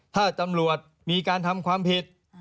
ถ้าตำรวจมีการทำความผิด